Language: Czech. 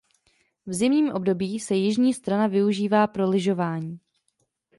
V zimním období se jižní strana využívá pro lyžování.